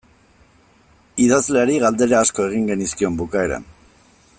Idazleari galdera asko egin genizkion bukaeran.